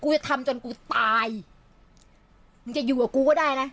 จะทำจนกูตายมึงจะอยู่กับกูก็ได้นะ